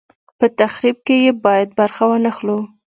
په تخریب کې یې باید برخه وانه خلو.